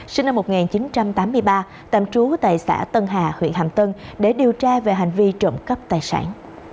sinh năm một nghìn chín trăm tám mươi ba tạm trú tại xã tân hà huyện hàm tân để điều tra về hành vi trộm cắp tài sản